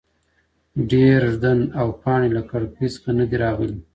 ډېر ږدن او پاڼي له کړکۍ څخه نه دي راغلي.